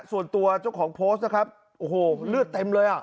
ส่วนตัวเจ้าของโพสต์นะครับโอ้โหเลือดเต็มเลยอ่ะ